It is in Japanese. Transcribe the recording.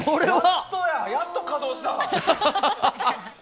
やっと稼働した。